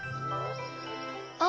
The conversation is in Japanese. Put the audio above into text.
あっ！